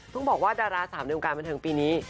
ต้องบอกว่าดาราสามในวงการบันเทิงปีนี้